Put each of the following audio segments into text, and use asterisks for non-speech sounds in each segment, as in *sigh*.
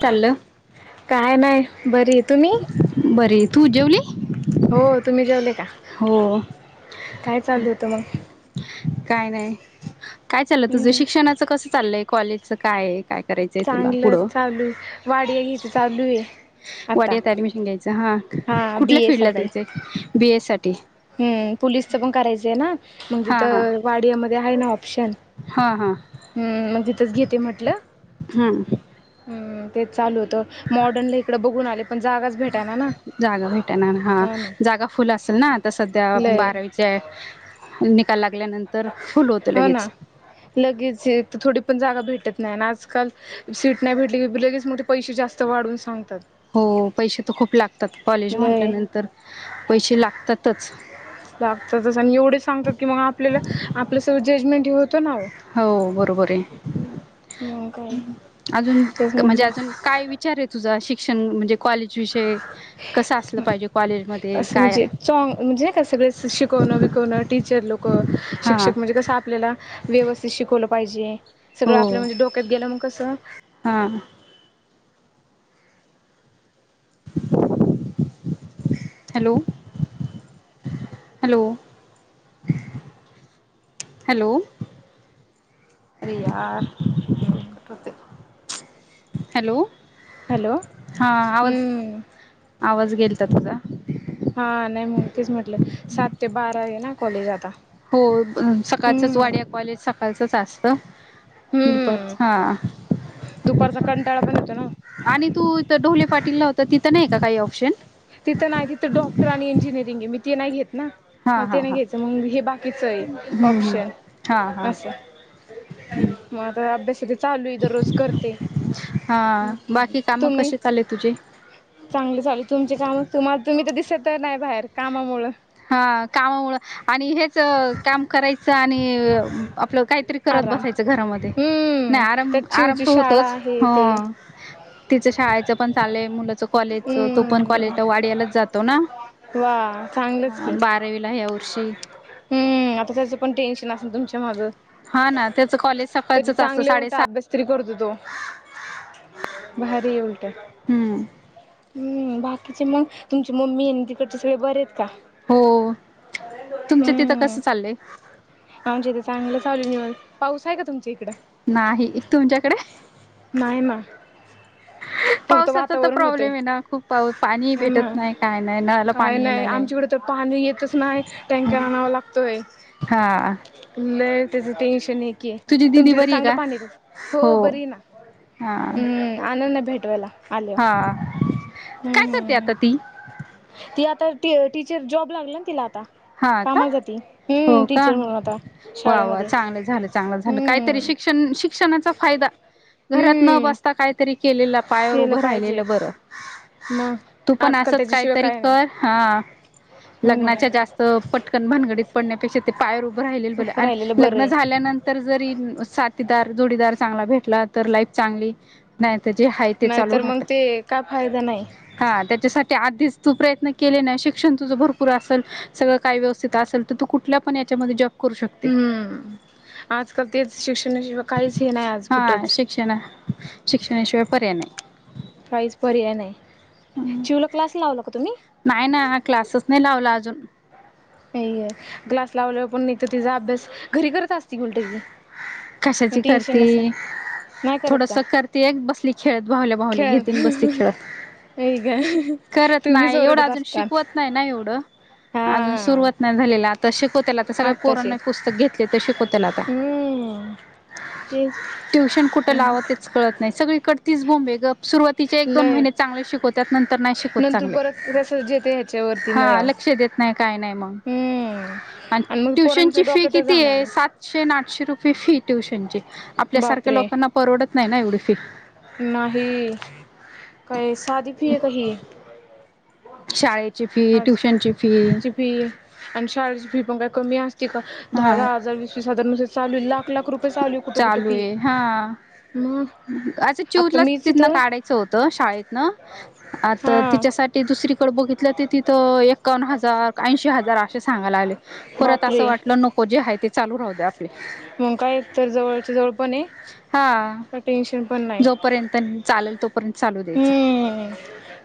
चाल का नाही बरी तुम्ही तु जेवली? हो तुम्ही जेवले का हो काय चालू होतं मग? काय नाही काय चाललं तुझं हम्म शिक्षणाचं कसं चाललंय कॉलेजच काय काय? करायचंय तुला चांगलं पुढं चालू आहे वाडीया घ्यायच चालू आहे आता पुण्यात ॲडमिशन घ्यायचं हां हा बी कुठल्या ए फीलल्डला साठी जायचं आहे बी एससाठी हम्म पोलीसच पण करायचं आहे ना मग हा हा तिथं वाडयामध्ये आहे ना? ऑप्शन हा हा. हम्म मग तिथंच घेते म्हटलं हम्म. हम्म तेच चालू होतं मॉडर्नला इकडं बघून आले पण जागाच भेटाय ना ना जागा भेट ना हा जागा फुल असेल ना आता सध्या लय बारावीच्या निकाल लागल्यानंतर फुल होतं हो ना लगेच लगेच तर थोडी पण जागा भेटत नाही ना आजकाल सीट नाही भेटली लगेच मग ते पैसे जास्त वाढवून सांग हो पैसे तर खूप लागतात कॉलेज लय म्हटल्यानंतर पैसे लागतातच लागतातच आणि एवढेच सांगतात की मग आपल्याला आपलं सगळं जजमेंट हे होत हो बरोबर आहे. मग काय अजून तेच म्हणजे म्हटलं अजून काय विचार आहे तुझा शिक्षण म्हणजे कॉलेज विषय कसं असलं पाहिजे कॉलेज असं म्हणजे च म्हणजे का सगळे शिकवणं बिकवणं टीचर लोक हा शिक्षक म्हणजे आपल्याला व्यवस्थित शिकवलं पाहिजे सगळं आपलं हो म्हणजे डोक्यात गेलं मग कसं हा हॅलो हॅलो. हॅलो. अरे यार फोन कट होतय हॅलो हमम आवाज गेलता तुझा हा नाही मग तेच म्हटलं सात ते बारा आहे ना कॉलेज आता हो सकाळचच हम्म वाड्या कॉलेज सकाळचंच असत दुपार हम्म हा दुपारचा कंटाळा पण येतो ना. आणि तूथ ढोले पाटील ला होता तिथं नाही का काही ऑप्शन तिथं नाही तिथं डॉक्टर आणि इंजिनिरंग मी ती नाही घेत ना हा मला ते हा नाही हा घ्यायचं मग हे बाकीचं आहे हम्म हम्म ऑप्शन हा हा असं मग आता अभ्यास चालू आहे दररोज करते हा बाकी कामं तुम्ही कसे चालले तुझे चांगले चालू तुमचे कामच तुम्हाला तुम्ही तर दिस तर नाही बाहेर कामामुळेळ हा कामामुळ आणि हेच काम करायचं आणि आपलं काहीतरी करत आराम बसायचं घरामध्ये हम्म नाही आराम त्यात आराम चिवची तर शाळा होतोच आहे हो ते तिचं शाळेचं पण चालय मुलाच कॉलेजच तो पण हम्म कॉलेजला वाडीयालाच जातो ना वा चांगलच हा की बारावीला ह्या वर्षी हम्म आता त्याच पण टेन्शन असेल तुम हा ना त्याचं कॉलेज तरी सकाळचच असतं चांगले उलट साडेसात अभ्यास तरी करतो तो भारी उलट हम्म बाकी ति मग तम मम्मी आणि तिकड सगळे बर हो तुमच्या तिथं म् कसं चाललंय आजथ चांगलं चालू पाऊस आहे का तुमच्या इकड नाही तुमच्याकडे ना ह फक्त पावसाचा तर वातावरण होतंय. प्रॉब्लेम आहे ना खूप पा पाणी हा ना भेटत नाही काय नाही नळाला काय पाणी येणं नाही आमच्याकडे तर येतच नाही टँकर आणावा लागतोय हा ल त्याच टेन्शन आहे की तुझी आहे दिदी तुमच्याकडे बरी आहे चांगलं का पाणी हो बरी ना हा हम्म आनंद आ हा काय करते आता ती जॉब लागल ना तिला आता हा का कामाला जाती हम्म हो का टीचर म्हणून आता वा वा शाळेमध्ये चांगलं झालं, चांगलं झालं काहीतरी श हम्म. शिक्षण शिक्षणाचा फायदा घरात न हम्म बसता काहीतरी केलं पायावर केलं उभं पाहिजे राहिलेलं बरं मग तू पण आजकाल असत त्याच्याशिवाय काहीतरी काय नाही कर हा हो ना लग्नाच्या जास्त पटकन भानगडीत पडण्यापेक्षा ते पायर उभं राहिले तस बले राहिलेलं बरं लग्न आहे झाल्यानंतर जरी साथीदार जोडीदार चांगला भेटला तर लाईफ चांगली नाही जे आहे ते चालू नाहीतर मग राहत ते काय फायदा नाही हा त्याच्यासाठी आधीच तू प्रयत्न केले नाही शिक्षण तुझं भरपूर असेल सगळं काय व्यवथित असेल तर तू कुठल्या पण याच्यामध्ये जॉब करू शकते हम्म आजकाल तेच शिक्षणाशिवाय काहीच हे नाही आज हा कुठंच शिक्षण शिक्षणाशिवाय पर्याय नाहीय काहीच पर्याय नाही चिउला क्लास लावला का तुम्ही नाही ना ह क्लासेस नाही लावला अजून नाही आहे क्लास लावलेवर पण नाही तर तिचा अभ्यास घरी करत असती उलटं ती कशाची टेन्शन करते नसेल नाही करत का थोडस करते एक बसली खेळत भावल्या भाल्या खेळ घेन बसती खेळत नाही का करत तुम्हीच नाही एवढं ओरडत अजून असता शिकवत नाही ना एवढं अजून हा सुरुवात नाही झालेला आता शिकव त्याला आता सगळे आत्ताशी पोरान पुस्तक घेतले तर शिकव त्याला आता हम्म तेच ट्युशन कुठ लावतच कळत नाही सगळीकडतीच बोंबे ग सुरुवातीचे एक दोन लय महिने चांगले शिकवत नंतर नाही शिकवत नंतर चांगले परत रसच येते ह्याच्यावरती हा मुळावर लक्ष देत नाही काय नाही मग हम्म आणि मग ट्युशनची पोरांचं फी डोक्यातच जाणार कितीये नाही सातशे आणि आठशे रुपये फी ट्यूशन ची. आपल्यासारख्या बापरे लोकांना परवडत नाही ना एवढी फी. काही साध फीये का ही. शाळेत. क्लास ची फी आण शळची भी पण काय. कमी असती का दाह हा दाह हजार वीस वीस हजार. चालू लाख लाख रुपये चालू कुठे कुठे फी. म. अ चिऊलाच तिथन काढायचं होतं शाळेतन आता हा तिच्यासाठी दुस दुसरीकडे बघितला ते तर एकावन्न हजार ऐंशी हजार असे सांगायलागले परत असं बापरे वाटलं नको जे आहे ते चालू रा होद आप आपले मग काय तर जवळच्या जवळ पणे. हा जोपर्यंत चाल हम्म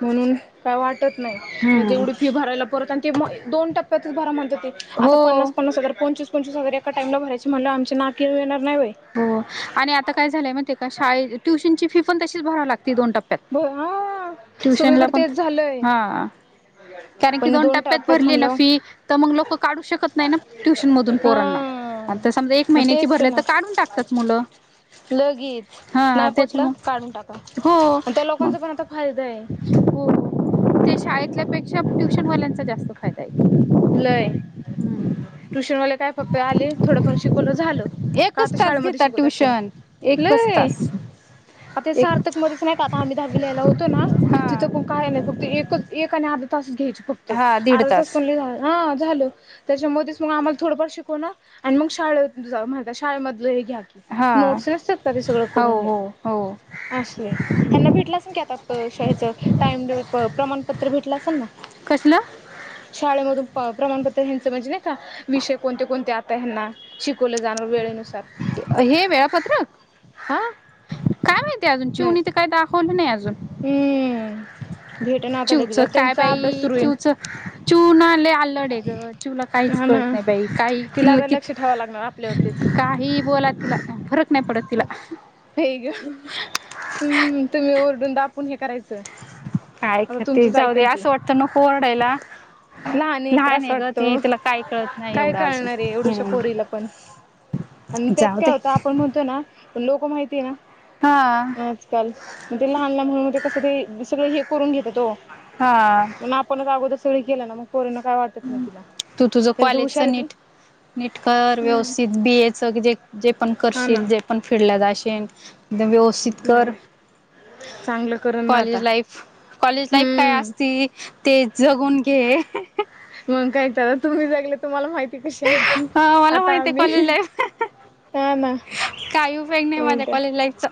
म्हणून काय वाटत नाही. हम्म तेवढी फी भरायला परत आणि ते दोन टप्प्यातच भरा म्हणतात ते आता पन्ना हो पन्नास हजार कोन पंचवीस पंचवीस हजार एका टाम ला भरायची म्हणल्यावर आमच्या नाकी नऊ येणार. नाही व्हय हो आणि आता काय झालंय माहीतेका शाळेत ट्युशनची फी पण तशी भरा लागती दोन टप्पात ब हा ट्युशनला सगळीकडे पण. तेच झालंय हा. कारण की दोन टप्प्यात भरली ना फी त मग लोक काढू शकत नाही ना ट्युशन मधून पोरांना. हा आता समजा एक मग महिन्याची तेच ना भरल्यात काढ लगेच हा नाही पटलं त्याच्यामु काढून टाक हो आण त्या मग लोकांचा पण आता फायदाये. हो ते शाळेतल्यापेक्षा ट्युशनवाल्यांचा जास्त फायदाये. लय टुशनवाले काय फक्त आले थोडंफार शिकवलं झालं. आहे का एकच आता तास शाळेमध्ये घेतता शिकवत असते ना ट्युशन एकच लय तास. आता ते एक सार्थक मध्येच नाही का आता आम्ही दहावीला ह्याला होतो ना? हा तिथं पण काय नाही फक्त एकच एक आणि अर्धा तास घ्यायचे फक्त हा दीड अर्धा तास पण लई ह झालं त्याच्यामुळेच मग आम्हाला थोडंफार शिकव नार आणि मग शाळेत माणता शाळेमध घ्या की हा नोट्स नसतात का ते सगळं करून हो घ्या. हो हो असय हेना भेटलं असेल की आता शाच टाइम प्रमाणपत्र भेटलं असेल ना? कसलं? शाळे मधून. प्रमाणपत्र हेचं म्हणजे नाही का विषय कोणते कोणते आता हेना शिकवलं जाणार वेळ नुस हे वेळापत्रक, हा काय माहितीय अजून नाही चिवुनी त काय दाखव खवल नाही अजून. हम्म भेटना आता चिवु च लगेच काय त्यांचा बाई अभ्यास सुरू होईल. चिवु चिवुना लय अलंडे‌ग अजून चिवुला कायच हा ना कळत नाही बाई काही तिला किल्ल आता कि लक्ष ठेवावं लागणार आपल्यावरतीच काही बोला तिला फरक नाही. पडत तिला हे ग हम् तुम्ही ओरडून दाप पुण हे करायचं. काय आता करते तुमचंच जाऊ दे ऐकन ती असं वाटतं नको ओरडायला. लहान एक त्रास लहाने ग वाटतो ती तीला काही कळत नाही काय एवढं अजून. कळणार आहे एवढुशा हम्म. पोरीला पण आणि त्यात जाऊ काय दे होतं आपण म्हणतो ना पण लोक माहि तीना हा आजकाल म्हणून ते लहान लहान म्हणून कसं ते सगळं हे करून घेतात बघा. हा पण आपणच अगोदर सगळी केलं ना म पोरिना काय वाटत नाही तिला तरी तू हुशारे ती. नीटकर व्यवस्थित बी ए च जे जे पण हा ना करशील जे पण फिडला जाशेल, व्यवस्थित कर. नाही चांगलं करल ना आता कॉलेज लाईफ कॉलेज लाईफ काय हम्म असती ते जगून घे. मग काय त तुम्ही जगले तुमला माहिती कशी आ मला आता माहिती आहे कॉलेज आम्ही लाईफ ना हा ना काही उपयोग नाही माझ्या उलट्या कॉलेज लाईफचा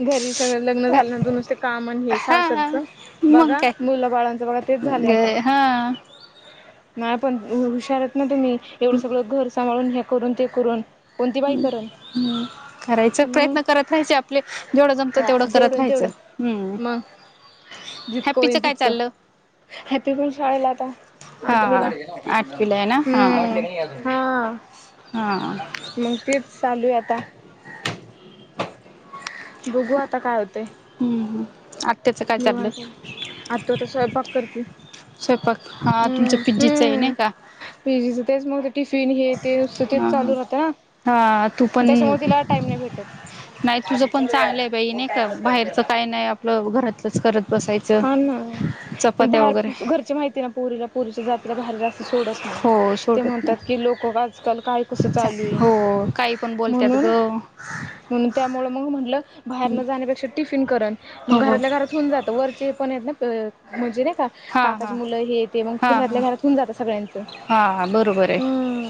घरी सगळं लग्न झाल्यानंतर नुसतं कामन हे हा सासरचं मग बघा मुलं बाळांचं बघा तेच झाले आता. हह नाही पण हुशारत ना तुम्ही एवढं सगळं घर सांभाळून हे करून ते करून कोणती बाई करण हम्म करायचा मग प्रयत्न करत राहायचं आपण आपल जेवढं जमतं हा तेवढं करत जेवढं राहायचं तेवढं हम्म. मग हॅपीचं काय चाललं? हॅप्पी पण शाळेला आता हा आठवीला आठवीला आहे ना हा हम्म हा हा मग तेच चालू आहे आता बघू आता काय होते. हम्म हम्म आत्याचं काय चाललं? आत्तू आता स्वयंपाक स्वयंपाक हा तुमचं पिज्जीचं आहे हम्म नाही का पीजीच तेच मग टिफिन हे ते नुसत ते हा चालू राहते ना हा तू पण त्याच्यामुळे तिला टाइम नाही भेटत नाही तुझं पण चांगलं आहे बाई नाही का बाहेरचं काय नाही आपलं घरात हा ना चपात्या वगैरे बाहेर घरची माहिती आहे ना पुरीला पुरीच्या जातीला बाहेर जास्त सोडत नाही हो ते सोडत म्हणतात की लोक आजकाल काय कसं चालू नाही आहे हो काही पण बोलतात ग. म्हणून म्हणून त्यामुळे मग बाहेर न जाण्यापेक्षा टिफिन करण मग हो हो घरातल्या घरात होऊन जात वरचे पण येत ना मुजेरे हा काकांचे हा मुलं हे ते मग हा घरातल्या हा घरातून जात सगळ्यांच हा बरोबर आहे हम्म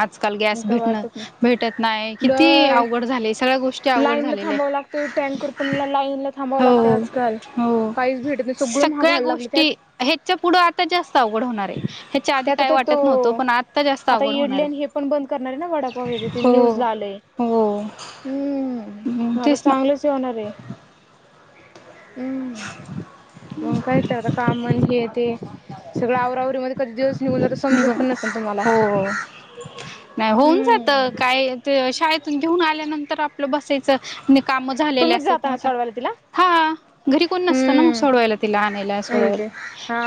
आजकाल गॅस काय भेटणं वाटत नाही भेटत नाही किती लय अवघड झाले सगळ्या गोष्टी अवघड झालेल्या आहेत. ते टँकर पण लाईन ला थांबावावं लागते आजकाल हो काहीच भेटत नाही सगळं महाग सगळ्या व्हायला लागले. त्यात ह्याच्या पुढे आता जास्त अवघड होणार आहे ह्याच्या आधी काय वाटत नव्हतं पण आता जास्त अवघड होणार आणि आहे. हे पण बंद करणार आहे ना वडापाव तिथे न्यूज हो ला आलेय हो हम्म मग आता तेच ना. चांगलंच हे होणार आहे. हम्म मग काय ते आता कामण हे ते सगळं आवरा आवरी मध्ये कधी दिवस निघून जात समजत निघून पण नसेल तुम्हाला? हो नाही होऊन जात हम्म काय शाळेतून घेऊन आल्यानंतर आपलं बसायचं काम झालेले तुम्हीच असते ना जाता आता सोडवायला तिला हा घरी कोण नसतं ना मग हम्म सोडवायला तिला आणायला सोडवायला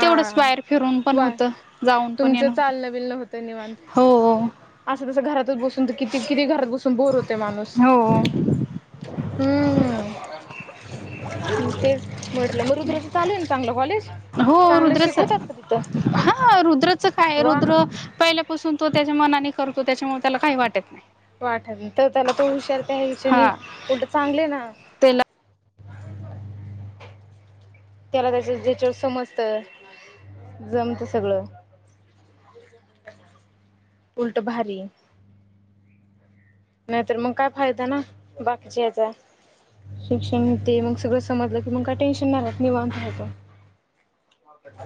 तेवढंच बाहेर फिरून पण होत जाऊन पण तुमच येणं चालना बिलन होते निवांत हो असं कसं घरात बसून तर किती किती घरात बसून बोर होते माणूस हो हम्म तेच म्हटलं रुद्र चा चालू आहे ना चांगलं कॉलेज हो चांगलं रुद्रच शिकवतात का तिथं हा रुद्रच काय वा रुद्र पहिल्यापासून तो त्या मनाने करतो त्याच्यामुळे त्याला काही वाटत नाही. वाटत तर त्याला तो हुशार त्या हिशानी हा उलट चांगले ना त्याला त्याला त्याच ज्याच्यात समजत. जमतं सगळं उलट भारी ये नाहीतर मग काय फायदा ना बाकीच्या याचा शिक्षण होेते मग सगळं समजलं की मग काय टेन्शन नाही रहात निवांत राहायचं. *inaudible*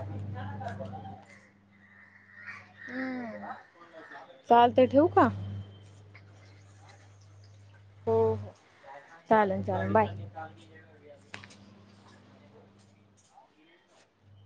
हम्म चालतय ठेवू का? हो चालेल चालेल बाय.